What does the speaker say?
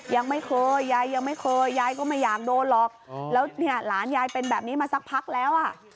ยังไม่เคยยายยังไม่เคย